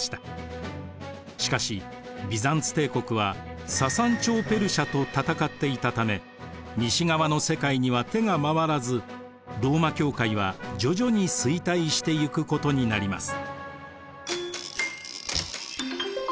しかしビザンツ帝国はササン朝ペルシアと戦っていたため西側の世界には手が回らずローマ教会は徐々に衰退していくことになります。